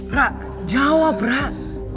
rak jawab rak